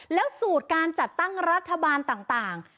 แล้วสูตรการจัดตั้งรัฐบาลต่าง